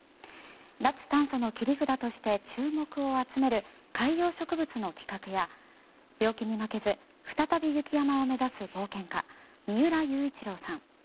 脱炭素の切り札として注目を集める海洋植物の企画や病気に負けず再び雪山を目指す冒険家・三浦雄一郎さん